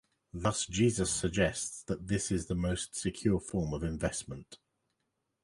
Thus Jesus suggests that this is the most secure form of investment.